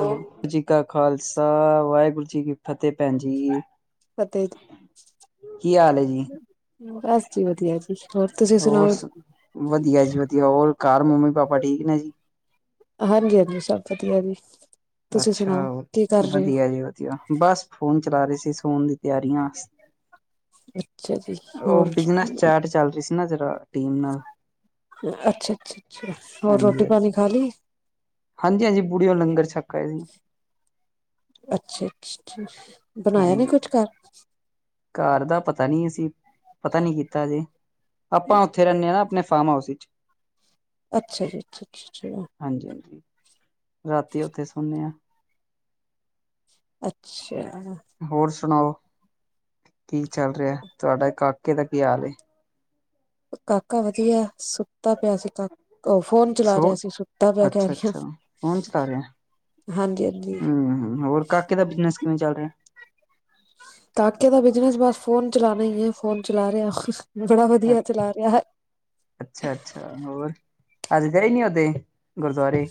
ਹੋ ਵਾਹਿਗੁਰੂ ਜੀ ਕਾ ਖ਼ਾਲਸਾ। ਵਾਹਿਗੁਰੂ ਜੀ ਕੀ ਫ਼ਤਿਹ। ਭੈਣਜੀ, ਫਤਿਹ ਜੀ, ਕਿ ਹਾਲ ਜੀ? ਬਸ ਜੀ ਵਧਿਆ ਜੀ। ਹੋਰ ਤੁਸੀਂ ਹੋਰ ਸੁਣਾਓ ਵਧੀਆ ਜੀ ਵਧੀਆ, ਹੋਰ ਘਰ ਮੰਮੀ -ਪਾਪਾ ਠੀਕ ਨੇ ਜੀ? ਹਾਂਜੀ-ਹਾਂਜੀ ਸਭ ਵਧੀਆ ਜੀ। ਤੁਸੀਂ ਅੱਛਾ ਸੁਣਾਓ ਕੀ ਕਰ ਰਹੇ ਵਧੀਆ ਹੋ ਜੀ ਵਧੀਆ ਬਸ ਫੋਨ ਚਲਾ ਰਹੇ ਸੀ। ਸੋਣ ਦੀ ਤਿਆਰੀਆਂ। ਅੱਛਾ ਜੀ ਹੋਰ ਉਹ ਬਿਜਨਸ ਚਾਰਟ ਚੱਲ ਰਹੀ ਸੀ ਨਾ ਜਿਹੜਰਾ ਟੀਮ ਨਾਲ। ਅੱਛਾ-ਅੱਛਾ, ਅੱਛਾ ਹੋਰ ਰੋਟੀ ਪਾਣੀ ਖਾ ਲੀ। ਹਾਂਜੀ-ਹਾਂਜੀ ਬੂਡੀਓ ਲੰਗਰ ਛੱਕ ਆਏ ਸੀ। ਅੱ ਬਣਾਇਆ ਨੀ ਹਾਂਜੀ ਕੁਛ ਘਰ। ਘਰ ਦਾ ਪਤਾ ਨੀ ਅਸੀਂ ਪਤਾ ਨਹੀਂ ਕੀਤਾ ਜੇ ਆਪਾਂ ਉੱਥੇ ਰਹਿੰਨੇ ਹਾਂ ਨਾ ਨੇ ਫਾਮ ਹਾਊਸ ਵਿੱਚ। ਅੱਛਾ ਜੀ ਅੱਛਾ-ਅੱਛਾ, ਅੱਛਾ। ਹਾਂਜੀ ਹਾਂਜੀ ਰਾਤੀ ਉੱਥੇ ਸੋਨੇ ਆ। ਅੱਛ ਹੋਰ ਸੁਣਾਓ ਕੀ ਚੱਲ ਰਿਹਾ ਤੁਹਾਡਾ ਕਾਕੇ ਦਾ ਕੀ ਹਾਲ ਏ। ਕਾਕਾ ਵਧੀਆ ਸੁ ਸੁਤਾ ਪਿਆ ਸੀ ਕ ਉਹ ਫੋਨ ਚਲਾ ਸੋ ਰਿਹਾ ਸੀ ਸੁੱਤਾ ਪਿਆ ਕਹਿ ਅੱਛਾ ਰਹੀ ਆ। ਅੱਛਾ ਫੋਨ ਚਲਾ ਰਿਹਾ ਹਮ ਹੋਰ ਕਾਕੇ ਦਾ ਬਿਜਨਸ ਕਿਵੇਂ ਚੱਲ ਰਿਹਾ। ਕਾਕੇ ਦਾ ਬਿਜਨਸ ਬਸ ਫੋਨ ਚਲਾਉਣਾ ਹੀ ਹੈ ਫੋਨ ਚਲਾ ਰਿਹਾ। ਬੜਾ ਵਧੀਆ ਚਲਾ ਰਿਹਾ ਹੈ। ਅਜ ਗਏ ਨੀ ਹੋਦੇ ਗੁਰਦੁਆਰੇ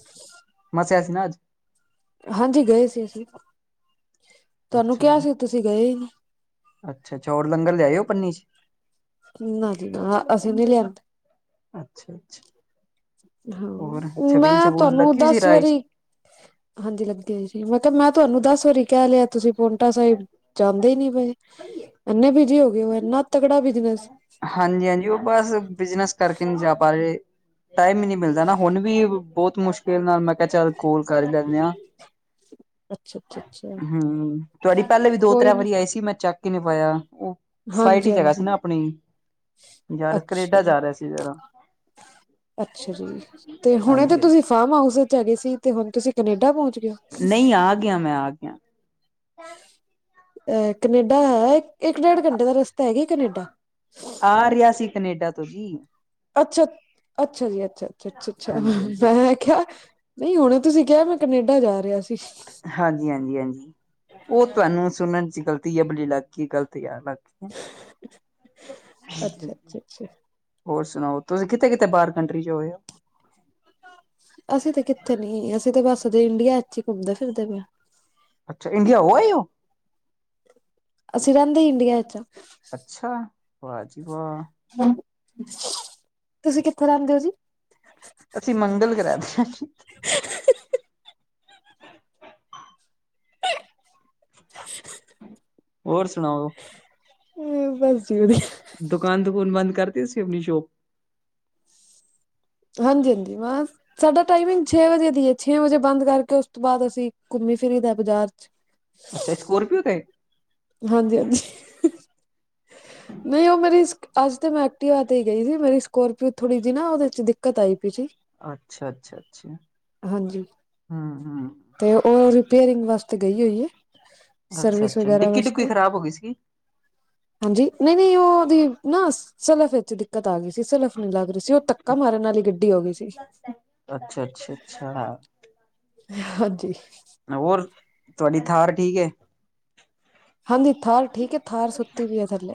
ਮੱਸਿਆ ਸੀ ਨਾ ਅੱਜ। ਹਾਂਜੀ ਗਏ ਸੀ ਅਸੀਂ ਤੁਹਾਨੂੰ ਕਿਹਾ ਸੀ ਤੁਸੀਂ ਗਏ ਹੀ ਨੀ। ਅੱਛਾ-ਅੱਛਾ ਹੋਰ ਲੰਗਰ ਲਿਆਏ ਓ ਪੰਨੀ ਚ। ਨਾ ਜੀ ਨਾ ਅਸੀਂ ਨਹੀਂ ਲਿ ਅੱਛਾ -ਅੱਛਾ। ਹੋਰ ਹਾਂ ਛਬੀਲ ਮੈਂ ਛਬੂਲ ਤੁਹਾਨੂੰ ਲੱਗੀ ਸੀ ਦਸ ਰਾਹ ਚ ਵਾਰੀ ਹਾਂਜੀ ਲੱਗਦੀ ਹੈ ਜੀ ਮਤਲਬ ਮੈਂ ਤੁਹਾਨੂੰ ਦੱਸ ਕਹਿ ਲਿਆ ਤੁਸੀ ਪੋਂਟਾ ਸਾਹਿਬ ਜਾਂਦੇ ਨੀ ਪਏ ਐਨੇ ਬੀਜੀ ਹੋ ਗਏ ਹੋ ਇੰਨਾ ਤਗੜਾ ਬਿਜਨਸ ਹਾਂਜੀ-ਹਾਂਜੀ ਉਹ ਬਸ ਬਿਜਨਸ ਕਰਕੇ ਨਹੀਂ ਜਾ ਪਾ ਟਾਈਮ ਹੀ ਨਹੀਂ ਮਿਲਦਾ ਨਾ ਹੁਣ ਵੀ ਬਹੁਤ ਮੁਸ਼ਕਿਲ ਨਾਲ ਮੈਂ ਕਿਆ ਚਾਲ ਕੋਲ ਕਰ ਲੈਨੇ ਆ। ਅੱਛਾ ਅੱਛਾ ਅੱਛਾ ਹਮ ਤੁਹਾਡੀ ਪਹਿਲੇ ਵੀ ਦੋ ਕੋਈ ਤ੍ਰੈ ਨੀ ਵਾਰੀ ਆਈ ਸੀ ਮੈਂ ਚੱਕ ਨੀ ਪਾਇਆ ਉਹ ਫਲਾਈਟ ਹਾਂਜੀ ਇਚ ਹੈਗਾ ਹਾਂਜੀ ਸੀ ਨਾ ਆਪਨੀ ਜਾਹਾ ਅੱਛਾ ਕਨੇਡਾ ਜੀ ਜਾ ਰਿਹਾ ਸੀ ਜਰਾ। ਅੱਛਾ ਜੀ ਹਾਂਜੀ ਤੇ ਹੁਣੇ ਤੇ ਹਾਂਜੀ ਤੁਸੀਂ ਫਾਰਮ ਹਾਊਸ ਵਿੱਚ ਆ ਗਏ ਸੀ ਤੇ ਹੁਣ ਤੁਸੀਂ ਕਨੇਡਾ ਪਹੁੰਚ ਗਏ ਹੋ ਨਹੀਂ ਆ ਗਿਆ ਮੈਂ ਆ ਗਿਆ। ਅਹ ਕਨੇਡਾ ਹੈ ਇੱਕ ਡੇਢ ਘੰਟੇ ਦਾ ਰਸਤਾ ਹੈਗਾ ਕਨੇਡਾ? ਆ ਰਿਹਾ ਸੀ ਕਨੇਡਾ ਤੋਂ ਹੀ। ਅੱਛਾ ਅੱਛਾ ਜੀ ਅੱਛਾ-ਅੱਛਾ, ਅੱਛਾ-ਅੱਛਾ ਹਾਂਜੀ ਹਾਂਜੀ ਹਾਂਜੀ ਮੈਂ ਕਿਹਾ ਨਹੀਂ ਹੁਣੇ ਤੁਸੀਂ ਕਿਹਾ ਮੈਂ ਕੈਨੇਡਾ ਜਾ ਰਿਹਾ ਸ ਹਾਂਜੀ-ਹਾਂਜੀ, ਹਾਂਜੀ ਉਹ ਤੁਹਾਨੂੰ ਸੁਣਨ ਚ ਗਲ [unintelligible] ਅੱਛਾ, ਅੱਛਾ, ਅੱਛਾ ਹੋਰ ਸੁਣਾਓ। ਤੁਸੀਂ ਕਿੱਥੇ-ਕਿੱਥੇ ਬਾਹਰ ਕੰਟਰੀ ਚ ਹੋ ਆਏ ਹੋ। ਅਸੀਂ ਤੇ ਕਿੱਥੇ ਨਹੀਂ ਅਸੀਂ ਤੇ ਬਸ ਇੰਡੀਆ ਚ ਹੀ ਘੁੰਮਦੇ ਫਿਰਦੇ ਪਏ ਹਾਂ। ਅੱਛਾ ਇੰਡੀਆ ਹੋ ਆਏ ਹੋ। ਅਸੀਂ ਰਹਿੰਦੇ ਇੰਡੀਆ ਚ ਆ। ਅੱਛਾ ਵਾਹ ਜੀ ਵਾਹ। ਹਮ। ਅਸੀਂ ਮੰਗਲ ਗ੍ਰਹਿ ਦੇ ਹਾਂ। ਹੋਰ ਸੁਣਾਓ। ਹਮ ਬਸ ਜੀ ਵਧੀਆ। ਦੁਕਾਨ ਦੁਕੁਣ ਬੰਦ ਕਰਤੀ ਸੀ ਆਪਣੀ ਸ਼ੋਪ। ਹਾਂਜੀ-ਹਾਂਜੀ ਮੈਂ ਸਾਡਾ ਟਾਈਮਿੰਗ ਛੇ ਵਜੇ ਦੀ ਹੈ ਛੇ ਵਜੇ ਬੰਦ ਕਰਕੇ ਉਸ ਤੋਂ ਬਾਅਦ ਅਸੀਂ ਘੁੰਮੀ ਫਿਰ ਫੀਰੀਦਾ ਬਾਜ਼ਾਰ ਚ। ਅੱਛਾ ਸਕੋਰਪੀਓ ਤੇ। ਹਾਂਜੀ ਹਾਂਜੀ। ਨਹੀਂ ਉਹ ਮੇਰੀ ਅੱਜ ਤੇ ਮੈਂ ਐਕਟੀਵਾ ਤੇ ਹੀ ਗਈ ਸੀ ਮੇਰੀ ਸਕੋਰਪੀਓ ਥੋੜ੍ਹੀ ਜਿਹੀ ਨਾ ਉਹਦੇ ਚ ਦਿੱਕਤ ਆਈ। ਪਈ ਸੀ ਅੱਛਾ ਅੱਛਾ ਅੱਛਾ ਹਾਂਜੀ। ਹਮ ਹਮ। ਤੇ ਉਹ ਰਿਪੇਅਰਿੰਗ ਵਾਸਤੇ ਗਈ ਹੋਈਏ। ਅੱਛਾ ਅੱਛਾ ਡਿੱਕੀ ਢੁੱਕੀ। ਹਾਂਜੀ ਨਹੀਂ ਨਹੀਂ ਉਹ ਉਹਦੀ। ਨਾ ਸਲਫ ਵਿੱਚ ਦਿੱਕਤ ਆ ਗਈ ਸੀ ਸਲਫ ਨੀ ਲੱਗ ਰਹੀ। ਜੀ ਉਹ ਧੱਕਾ ਮਾਰਨ ਨਾਲ ਗੱਡੀ ਹੋ ਗਈ ਸੀ। ਹਾਂਜੀ। ਤੁਹਾਡੀ ਥਾਰ ਠੀਕ ਹੈ। ਹਾਂਜੀ ਥਾਰ ਠੀਕ ਹੈ ਥਾਰ ਸੁੱਤੀ ਵੀ ਹੈ ਥੱਲੇ।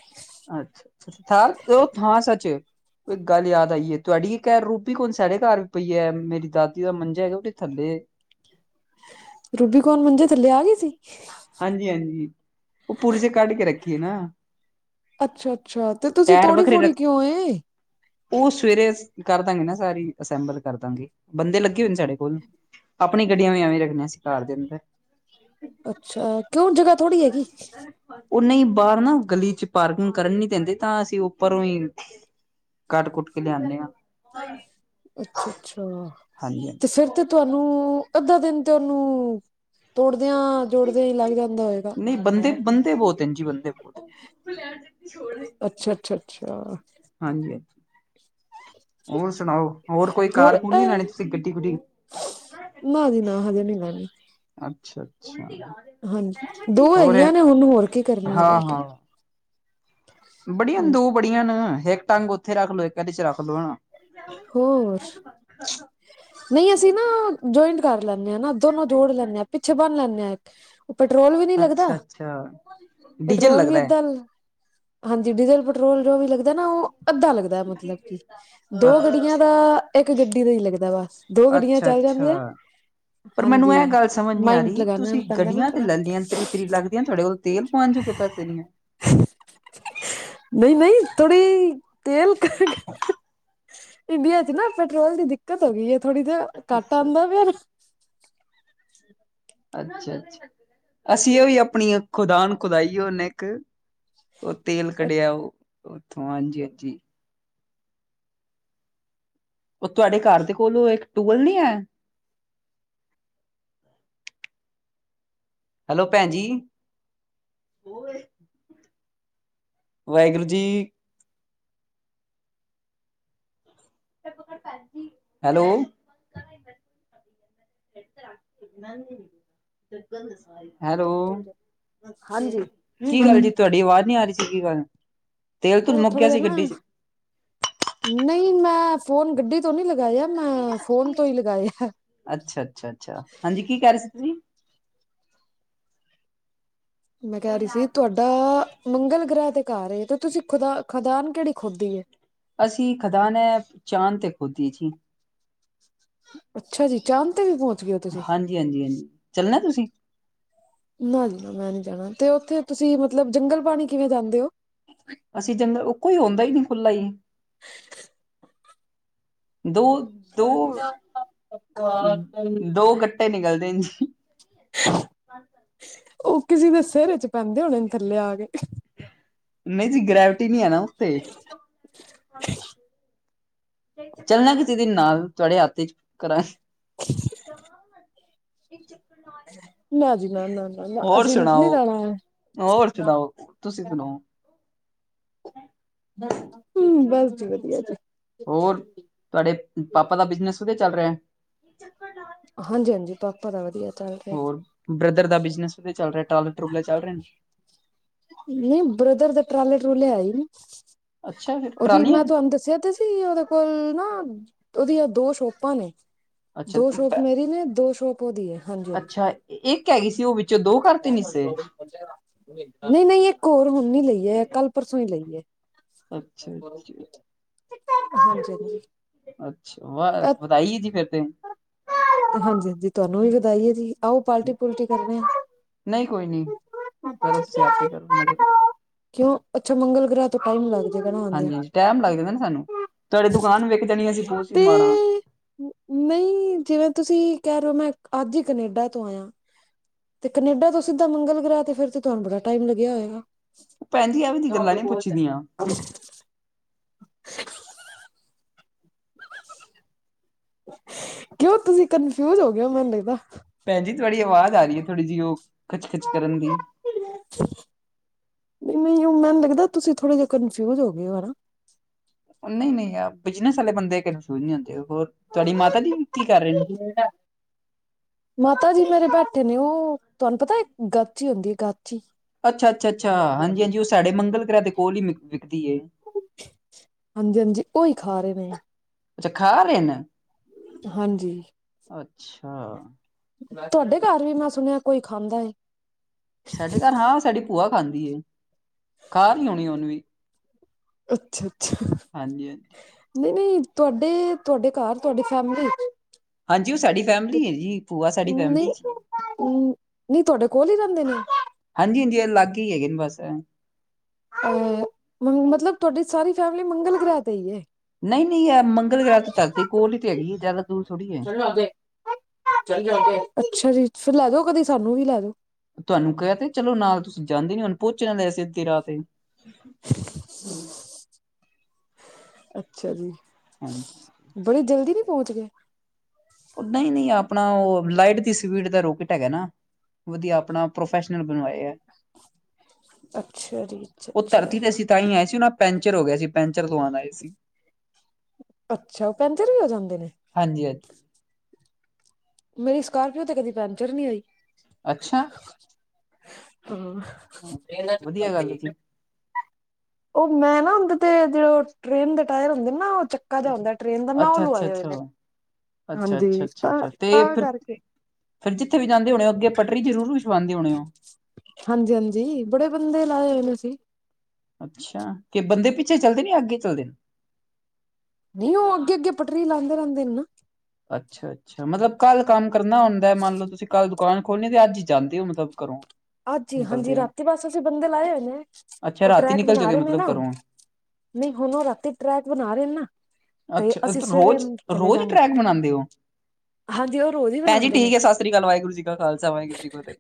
ਅੱਛਾ ਅੱਛਾ ਥਾਰ ੳ ਥਾਰ ਸੱਚ। ਇੱਕ ਗੱਲ ਯਾਦ ਆਈ ਏ ਤੁਹਾਡੀ ਇੱਕ ਰੂਬੀ ਕੌਣ ਸਾਡੇ ਘਰ ਵੀ ਪਈ ਹੈ ਮੇਰੀ ਦਾਦੀ ਦਾ ਮੰਜਾ ਹੈਗਾ ਉਹੇ ਥੱਲੇ। ਰੂਬੀ ਕੌਣ ਮੰਜੇ ਥੱਲੇ ਆ ਗਈ ਸੀ। ਹਾਂਜੀ ਹਾਂਜੀ ਉਹ ਪੁਰਜੇ ਕੱਢ ਕੇ ਰੱਖੀਏ ਨਾ। ਅੱਛਾ ਅੱਛਾ ਤੇ ਤੁਸੀਂ ਟਾਇਰ ਥੋੜੀ ਵੱਖਰੇ ਥੋੜੀ ਰੱਖ ਕਿਉਂ ਹੈ। ਉਹ ਸਵੇਰੇ ਕਰ ਦਾਂਗੇ ਨਾ ਸਾਰੀ ਅਸੈਂਬਲ ਕਰਦਾਂਗੇ ਬੰਦੇ ਲੱਗੇ ਹੋਏ ਨੇ ਸਾਡੇ ਕੋਲ। ਆਪਣੀ ਗੱਡੀਆਂ ਵੀ ਐਵੇਂ ਰੱਖਣੀਆਂ ਸੀ ਕਾਰ ਦੇ ਅੰਦਰ। ਅੱਛਾ ਕਿਂਉ ਜਗ੍ਹਾ ਥੋੜ੍ਹੀ ਹੈਗੀ। ਉਹ ਨਹੀਂ ਬਾਹਰ ਨਾ ਗਲੀ ਚ ਪਾਰਕਿੰਗ ਕਰਨ ਨੀ ਦਿੰਦੇ ਤਾਂ ਅਸੀਂ ਉੱਪਰੋਂ ਹੀ। ਕੱਟ ਕੁੱਟ ਕੇ ਲਿਆਦੇ ਹਾਂ। ਅੱਛਾ ਅੱਛਾ ਹਾਂਜੀ ਤੇ ਹਾਂਜੀ ਫਿਰ ਤੇ ਤੁਹਾਨੂੰ। ਅੱਧਾ ਦਿਨ ਤੇ ਉਹਨੂੰ ਤੋੜਦਿਆਂ ਜੋੜਦਿਆਂ ਹੀ ਲੱਗ ਜਾਂਦਾ ਹੋਏਗਾ। ਤਿੰਨ ਦੇ ਬੰਦੇ। ਬਹੁਤ ਹਾਂਜੀ ਅੱਛਾ ਅੱਛਾ ਅੱਛਾ। ਹਾਂਜੀ ਹਾਂਜੀ। ਹੋਰ ਸੁਣਾਓ ਹੋਰ ਕੋਈ ਕਾਰ ਕੁਰ ਨੀ ਲੈਣੀ ਤੁਸੀਂ ਗੱਡੀ ਗੁੱਡੀ। ਨਾ ਜੀ ਨਾ ਹਜੇ ਨਹੀਂ ਲੈਣੀ। ਅੱਛਾ ਅੱਛਾ। ਹਾਂਜੀ ਦੋ ਹੋਰ ਹੈ। ਹੈਗੀਆਂ ਨੇ ਹੁਣ ਹੋਰ ਕੀ ਕਰਨੀ ਹੈ ਲੈ ਹਾਂ ਕੇ। ਹਾਂ ਬੜੀਆਂ ਨੇ ਹਾਂਜੀ ਦੋ ਬੜੀਆਂ ਨ ਇਕ ਟੰਗ ਉੱਥੇ ਰੱਖ ਲਓ ਇੱਕ ਇਹਦੇ ਚ ਰੱਖ ਲੋ ਨਾ। ਹੋਰ। ਨਹੀਂ ਅਸੀਂ ਨਾ ਜੁਆਇੰਟ ਕਰ ਲੈਂਨੇ ਹਾਂ ਨਾ ਦੋਨੋਂ ਜੋੜ ਲੈਂਦੇ ਹਾਂ ਪਿੱਛੇ ਬਣ ਲੈਂਦੇ ਹਾਂ ਇਕ। ਉਹ ਪੈਟਰੋਲ ਵੀ ਨੀ ਲੱਗਦਾ ਅੱਛਾ ਅੱਛਾ ਡੀਜ਼ਲ ਪੈਟਰੋਲ ਵੀ ਲੱਗਦਾ ਏਦਾਂ। ਹਾਂਜੀ ਡੀਜ਼ਲ ਪੈਟਰੋਲ ਜੋ ਵੀ ਲੱਗਦਾ ਨਾ ਉਹ। ਅੱਧਾ ਲੱਗਦਾ ਮਤਲਬ ਕਿ ਹੈ ਦੋ ਗੱਡੀਆਂ ਦਾ ਇੱਕ ਗੱਡੀ। ਗੱਡੀ ਦਾ ਹੀ ਲੱਗਦਾ ਵਸ ਦੋ ਗੱਡੀਆਂ ਅੱਛਾ ਚੱਲ ਜਾਂਦੀਆਂ। ਅੱਛਾ ਪਰ ਮੈਨੂੰ ਹਾਂਜੀ ਇਹ ਗੱਲ ਸਮਝ ਨੀ ਆ ਮਾਈੰਡ ਰਹੀ ਲਗਾਣਾ ਤੁਸੀਂ ਪੈਂਦਾ ਨਾ ਗੱਡੀਆਂ ਤੇ ਥੋੜਾ ਲੈ ਲਈਆਂ ਤਰੀ ਤਰੀ ਲੱਗਦੀਆਂ ਤੁਹਾਡੇ ਕੋਲ ਤੇਲ ਪਵਾਨ। ਤੂ ਕਿਦਾ ਸ਼ਹੀ ਏ ਨਹੀਂ ਨਹੀਂ ਥੋੜੀ। ਤੇਲ ਤਾਂ ਇੰਡੀਆ ਚ ਨਾ ਪੈਟਰੋਲ ਦੀ ਦਿੱਕਤ ਹੋ ਗਈ ਹੈ। ਥੋੜ੍ਹੀ ਜਿ ਕੱਟ ਅੱਛਾ। ਆਉਂਦਾ ਵੀ ਨਾ। ਅੱਛਾ ਅੱਛਾ ਅਸੀਂ ਉਹ ਹੀ ਆਪਣੀ ਖੁਦਾਨ ਖੁਦਾਈ ਹੁਣੇ ਇੱਕ। ਉਹ ਤੇਲ ਕਢਿਆ ਉਹ ਉੱਥੋਂ ਹਾਂਜੀ ਹਾਂਜੀ। ਉਹ ਤੁਹਾਡੇ ਘਰ ਦੇ ਕੋਲ ਇੱਕ ਟੂਵਲ ਨੀ ਹੈ। ਹੈਲੋ ਭੈਣ ਜੀ। ਵਾਹਿਗੁਰੂ ਜੀ। ਹੈਲੋ। [inaudible] ਹੈਲੋ ਹਾਂਜੀ ਕੀ ਗੱਲ ਜੀ ਤੁਹਾਡੀ ਆਵਾਜ਼ ਨੀ ਆ ਰਹੀ ਸੀ ਕੀ ਗੱਲ ਤੇਲ ਤੂਲ ਉਹ ਮੁੱਕ ਥੋਡਾ ਗਿਆ ਜਾ ਸੀ ਨਾ ਗੱਡੀ ਚ ਨਹੀਂ ਮੈਂ ਫੋਨ ਗੱਡੀ ਤੋਂ ਨਹੀਂ ਲੱਗਾ। ਲਗਾਇਆ ਮੈਂ ਫੋਨ ਤੋਂ ਹੀ ਲਗਾਇਆ। ਅੱਛਾ ਅੱਛਾ ਅੱਛਾ ਹਾਂਜੀ ਕੀ ਕਹਿ ਰਹੇ ਸੀ ਤੁਸੀਂ ਮੈਂ ਕਹਿ ਰਹੀ ਸੀ ਤੁਹਾਡਾ ਮੰਗਲ ਗ੍ਰਹਿ ਤੇ ਘਰ ਏ ਤੇ ਤੁਸੀਂ ਖੁਦਾ ਖਦਾਨ ਕਿਹੜੀ ਖੋਦੀ ਏ, ਅਸੀਂ ਖਦਾਨ ਏ ਚਾਂਦ ਤੇ ਖੁਦੀ ਏ ਜੀ। ਅੱਛਾ ਜੀ ਚਾਂਦ ਤੇ ਵੀ ਪਹੁੰਚ ਗਏ ਹੋ ਤੁਸੀਂ ਹਾਂਜੀ -ਹਾਂਜੀ -ਹਾਂਜੀ ਚੱਲਣਾ ਤੁਸੀਂ ਨਾ ਜੀ ਨਾ ਮੈਂ ਨਹੀ ਜਾਣਾ ਤੇ ਉੱਥੇ ਤੁਸੀਂ ਮਤਲਬ ਜੰਗਲ ਪਾਣੀ ਕਿਵੇਂ ਜਾਂਦੇ ਉ। ਅਸੀਂ ਜੰਗਲ ਉਹ ਕੋਈ ਹੋਂਦਾ ਹੀ ਨਹੀਂ ਖੁੱਲਾ ਈ। ਦੋ- ਦੋ -ਦੋ ਗੱਡ ਟੇ ਨਿਕਲਦੇ ਨੇ [inaudible] ਹਾਂਜੀ ਉਹ ਕਿਸੇ ਦੇ ਸਿਰ 'ਚ ਪੈਂਦੇ ਹੋਣੇ ਥੱਲੇ ਆ ਕੇ ਨਹੀਂ ਜੀ ਗ੍ਰੈਵਿਟੀ ਨਹੀ ਹੈ ਨਾ ਉੇਤੇ ਚੱਲਣਾ ਕਿਸੀ ਦਿਨ ਨਾਲ ਤੁਹਾਡੇ ਹੱਥ 'ਚ ਕਰਾਂਗੀ। [inaudible] ਵਿਚ ਨਾ ਜੀ ਨਾ- ਨਾ- ਨਾ -ਨਾ ਹੋਰ ਅਸੀਂ ਨੀ ਸੁਣਾਓ ਰਹਿਣਾ ਏ ਨਾ। ਤੁਸੀ ਸੁਣਾਓ। ਹੂੰ ਬਸ ਜੀ ਵਧੀਆ ਜੀ। ਹੋਰ ਤੁਹਾਡੇ ਪਾਪਾ ਦਾ ਬਿਜਨਸ ਵਦੀਆ ਚੱਲ ਰਿਹਾ। ਹਾਂਜੀ -ਹਾਂਜੀ ਪਾਪਾ ਦਾ ਵਧੀਆ ਚੱਲ ਰਿਹਾ ਹੋਰ ਬ੍ਰਦਰ ਦਾ ਬਿਜਨਸ ਵਦੀਆ ਚੱਲ ਰਿਹਾ ਟਰਾਲੇ ਟੁਰੁਲੇ ਚੱਲ ਰਹੇ ਨੇ। ਨਹੀਂ ਬ੍ਰਦਰ ਦਾ ਟਰਾਲੇ ਟਰੁਲੇ ਹੈ ਈ ਨੀ। ਅੱਛਾ ਫਿਰ ਉਹਦੀ ਟਰਾਲੀਆਂ ਮੈਂ ਨੇ। ਤੁਹਾਨੂੰ ਦੱਸਿਆ ਤੇ ਸੀ ਉਹਦੇ ਕੋਲ ਨਾ ਉਹਦੀਆਂ ਦੋ ਸ਼ੋਪਾਂ ਨੇ। ਅੱਛਾ ਦੋ ਸ਼ੋਪ ਤੁਮ- ਮੇਰੀ ਨੇ ਦੋ ਸ਼ੋਪ ਉਹਦੀ ਹੈ ਹਾਂਜੀ- ਅੱਛਾ ਇੱਕ ਹੈਗੀ ਸੀ ਉਹ ਵਿੱਚੋਂ ਦੋ ਕਰਤੇ ਹਾਂਜੀ ਹਿੱਸੇ ਨਹੀਂ -ਨਹੀਂ ਇੱਕ ਹੋਰ ਹੁਣ ਨੀ ਲਈਏ ਕੱਲ ਪਰਸੋਂ ਹੀ ਲਈਏ। ਅੱਛਾ -ਅੱਛਾ [unintelligible] ਅੱਛਾ ਵਾਹ ਵਦਾਈ ਏ ਜੀ ਫੇਰ ਤੇ ਜ ਤੁਹਾਨੂੰ ਵੀ ਵਧਾਈਏ ਜੀ ਆਓ ਪਾਰਟੀ ਪਲਟੀ ਕਰਨੇ ਆ। ਨਹੀਂ ਕੋਈ ਨੀ ਕਰੋ ਤੁਸੀ ਆਪੇ ਕਰੋ ਮਜੇ ਲੋ। ਕਿਉਂ ਅੱਛਾ ਮੰਗਲ ਗ੍ਰਹ ਤੋਂ ਟਾਈਮ ਲਗਦਾ। ਆਉਂਦੇ ਹਾਂਜੀ ਆ ਹਾਂਜੀ ਟਾਈਮ ਲੱਗ ਜਾਂਦਾ ਨਾ ਸਾਨੂੰ ਤੁਹਾਡੀ ਦੁਕਾਨ ਵਿਕ ਜਾਣੀ ਅਸੀਂ ਪੋਚ [inaudible] ਵੀ ਤੇ ਮਾੜਾ ਨਹੀਂ ਜਿਵੇਂ ਤੁਸੀਂ ਕਹਿ ਰਹੇ ਹੋ ਮੈਂ ਅੱਜ ਹੀ ਕਨੇਡਾ ਤੋਂ ਆਇਆ। ਤੇ ਕਨੇਡਾ ਤੋਂ ਸਿੱਧਾ ਮੰਗਲ ਗ੍ਰਹਿ ਤੇ ਫੇਰ ਤੁਹਾਨੂੰ ਬੜਾ ਟਾਇਮ ਲੱਗਿਆ ਹੋਇਗਾ। ਭੈਣ ਜੀ ਐਵੇਂ ਦੀ ਗੱਲਾਂ ਨੀ ਪੁੱਛੀ ਦੀਆਂ [unintelligible] ਕਿਉਂ ਤੁਸੀਂ ਕਨਫਿਊਜ ਹੋ ਗ ਹੋ ਮੈਨੂੰ ਲਗਦਾ। ਭੈਣ ਜੀ ਤੁਹਾਡੀ ਆਵਾਜ਼ ਆ ਰਹੀ ਥੋੜੀ ਜਿਹੀ ਉਹ ਖਿੱਚ-ਖਿੱਚ ਕਰਨ ਦੀ ਨਹੀਂ-ਨਹੀਂ ਮੈਨੂੰ ਲੱਗਦਾ ਤੁਸੀਂ ਥੋੜੇ ਜਹੇ ਕਨਫਿਊਜ ਹੋ ਗਏ ਹੋ ਹਨਾ। ਨਹੀਂ -ਨਹੀਂ ਯਾਰ ਬਿਜਨਸ ਵਾਲੇ ਬੰਦੇ ਕਨ ਸ਼ੂ ਨਹੀਂ ਹੁੰਦੇ ਉਹ ਹੋਰ ਤੁਹਾਡੀ ਮਾਤਾ ਜੀ ਕੀ ਕਰ ਰਹੇ ਨੇ। ਤੇ ਨੇ ਉਹ ਤੁਹਾਨੂੰ ਪਤਾ ਗਾਚੀ ਹੀ ਹੁੰਦੀ ਏ ਗਾਚ ਅੱਛਾ-ਅੱਛਾ- ਅੱਛਾ ਹਾਂਜੀ-ਹਾਂਜੀ ਉਹ ਸਾਡੇ ਮੰਗਲ ਗ੍ਰਹਿ ਦੇ ਕੋਲ ਹੀ ਮਿੱਲ ਹਾਂਜੀ-ਹਾਂਜੀ ਉਹੀ ਖਾ ਰਹੇ ਨੇ। ਅੱਛਾ ਖਾ ਰਹੇ ਨੇ। ਹਾਂਜੀ ਅੱਛਾ। ਤੁਹਾਡੇ ਘਰ ਵੀ ਮੈਂ ਸੁਣਿਆ, ਕੋਈ ਖਾਂਦਾ ਹੈ? ਸਾਡੇ ਘਰ ਹਾਂ, ਸਾਡੀ ਭੂਆ ਖਾਂਦੀਏ, ਖਾ ਰਹੀ ਆਉਣੀ ਉਹਨੂੰ ਵੀ ਅੱਛਾ-ਅੱਛਾ। ਹਾਂਜੀ-ਹਾਂਜੀ। ਨਹੀਂ-ਨਹੀਂ, ਤੁਹਾਡੇ, ਤੁਹਾਡੇ ਘਰ, ਤੁਹਾਡੀ ਫੈਮਲੀ। ਹਾਂਜੀ ਉਹ ਸਾਡੀ ਫੈਮਿਲੀ ਹੈ ਜੀ ਭੂਆ ਸਾਡੀ ਨਹੀਂ, ਫੈਮਿਲੀ ਚ ਨਹੀਂ ਤੁਹਾਡੇ ਕੋਲ ਹੀ ਰਹਿੰਦੇ ਨੇ? ਹਾਂਜੀ-ਹਾਂਜੀ, ਇਹ ਲਾਗੇ ਹੀ ਹੈਗੇ ਨੇ ਬਸ ਏ। ਅ, ਮਤਲਬ ਤੁਹਾਡੀ ਸਾਰੀ ਫੈਮਿਲੀ ਮੰਗਲ ਗ੍ਰਹਿ ਤੇ ਹੀ ਹੈ? ਨਹੀਂ-ਨਹੀਂ, ਇਹ ਮੰਗਲ ਗ੍ਰਹਿ ਤੇ ਤਰਤੀ ਕੋਲ ਹੀ ਤੇ ਹੈਗੀ ਹੈ। ਜ਼ਿਆਦਾ ਦੂਰ ਥੋੜ੍ਹੀ ਹੈ। ਚਲ ਚਲਦੇ ਆਂ। ਅੱਛਾ ਜੀ। ਫਿਰ ਲੈ ਦੋ ਕਦੀਂ ਸਾਨੂੰ ਵੀ ਲੈ ਜੋ। ਤੁਹਾਨੂੰ ਕਹਿ ਤੇ, ਚਲੋ ਨਾਲ, ਤੁਸੀਂ ਜਾਂਦੇ ਨੀ, ਹੁਣ ਪਹੁੰਚ ਜਾਂਦਾ ਅਸੀਂ ਅਧ੍ਹੀ ਰਾਤ ਤੇ। ਹੁਂ ਅੱਛਾ ਜੀ। ਹਾਂਜੀ ਬੜੀ ਜਲਦੀ ਨਹੀਂ ਪਹੁੰਚ ਗਏ? ਉਹ ਨਹੀਂ-ਨਹੀਂ, ਆਪਣਾ ਉਹ ਲਾਈਟ ਦੀ ਸਪੀਡ ਦਾ ਰੋਕਟ ਹੈਗਾ ਨਾ। ਵਧੀਆ ਆਪਣਾ, ਪ੍ਰੋਫੈਸ਼ਨਲ ਬਣਵਾਏ ਹੈ। ਅੱਛਾ ਜੀ ਉਹ ਅੱਛਾ ਧਰਤੀ ਤੇ ਅੱਛਾ ਅਸੀ ਤਹੀ ਆਏ ਸੀ ਉਹਨਾ ਪੈਂਚਰ ਹੋ ਗਿਆ ਸੀ ਪੈਂਚ ਚਰ ਲਗਵਾਣ ਆਏ ਸੀ। ਫ੍ਰੀ ਕੇ ਜਾਣਾ ਹਾਂਜੀ-ਹਾਂਜੀ। ਮੇਰੀ ਸਕੋਰਪੀਓ ਤੇ ਕਦੀ ਪੈਂਚਰ ਨਹੀਂ ਹੋਈ? ਅੱਛਾ? ਹਾਂ। ਵਧੀਆ ਗੱਲ ਹੈ ਜੀ ਉਹ ਮੈਂ ਨਾ ਉਹਦੇ ਤੇ, ਜ ਟ੍ਰੇਨ ਦੇ ਟਾਇਰ ਹੁੰਦੇ ਨਾ ਉਹ ਚੱਕ੍ਹਾ ਜਿਹਾ ਹੁੰਦਾ ਟ੍ਰੇਨ ਦਾ ਨਾ ਅੱਛਾ ਲ ਅੱਛਾ ਆੇ ਆਏ ਹੇਏ ਅੱਛਾ ਨੇ। ਅੱਛਾ ਅੱਛਾ ਹਾਂਜੀ, ਅੱਛਾ ਅੱਛਾ ਤੇ ਤਾਂ ਫਿਰ ਕਰਕੇ। ਫਿਰ ਜਿੱਥੇ ਵੀ ਜਾਂਦੇ ਹੋਣੇ ਹੋ ਅੱਗੇ, ਪਟਰੀ ਜ਼ਰੂਰ ਵਿਛਵਾਉਦੇ ਹੋਣੇ ਹੋ? ਹਾਂਜੀ-ਹਾਂਜੀ, ਬੜੇ ਬੰਦੇ ਲਾਏ ਹੋਏ ਨੇ ਅਸੀਂ। ਅੱਛਾ, ਕਿ ਬੰਦੇ ਪਿੱਛੇ ਚੱਲਦੇ ਨੇ ਜਾਂ ਅੱਗੇ ਚੱਲਦੇ ਨੇ? ਨਹੀਂ, ਉਹ ਅੱਗੇ-ਅੱਗੇ ਪਟਰੀ ਲਾਉਂਦੇ ਰਹਿੰਦੇ ਨੇ ਨਾ। ਅੱਛਾ-ਅੱਛਾ, ਮਤਲਬ ਕੱਲ ਕੰਮ ਕਰਨਾ ਹੁੰਦਾ ਮੰਨ ਲਓ ਤੁਸੀਂ ਕੱਲ ਦੁਕਾਨ ਖੋਲਣੀ ਰੈ ਤੇ ਅੱਜਹੀ ਜਾਂਦੀ ਹੋ, ਮਤਲਬ ਘਰੋਂ? ਅਜ ਹੀ ਹਾਂਜੀ। ਨਿਕਲਦੇ ਹੋ ਰਾਤੀ ਬਸਤੇ ਅਸੀਂ ਬੰਦੇ ਲਾਏ ਹੋਏ ਨੇ, ਅੱਛਾ ਉਹ ਰਾਤੀ ਟਰੈਕ ਨਿਕਲ ਬਣਾ ਜਾਓਗੇ ਰਹੇ ਨੇ ਨਾ। ਮਤਲਬ ਘਰੋਂ ਨਹੀਂ, ਹੁਣ ਉਹ ਰਾਤੀ ਟਰੈਕ ਬਣਾ ਰਹੇ ਨਾ ਤੇ ਅੱਛਾ ਅਸੀਂ ਸਵੇਰੇ ਰੋਜ਼, ਚਲੇ ਰੋਜ਼ ਜਾਂਗੇ ਟਰੈਕ ਬਣਾਉਂਦੇ ਹੋ? ਹਾਂਜੀ ਉਹ ਰੋਜ਼ ਹੀ ਭੈਣ ਜੀ, ਬਣਾਉਂਦੇ ਨੇ ਠੀਕ ਹੈ। ਸਤਿ ਸ਼੍ਰੀ ਅਕਾਲ। ਵਾਹਿਗੁਰੂ ਜੀ ਕਾ ਖਾਲਸਾ, ਵਾਹਿਗੁਰੂ ਜੀ ਫਤਿਹ।